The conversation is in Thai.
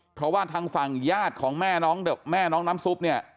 เพราะว่าทางฟังยาดของแม่น้องน้ำซุปเนี่ย